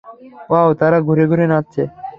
Wow, তারা ঘুরে ঘুরে নাচছে।